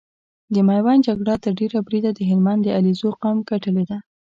د ميوند جګړه تر ډېره بريده د هلمند د عليزو قوم ګټلې ده۔